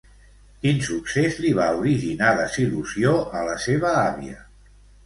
Quin succés li va originar desil·lusió a la seva àvia?